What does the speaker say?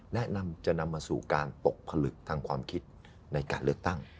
และจะนำมาสู่การตกผลึกทางความคิดในการเลือกตั้ง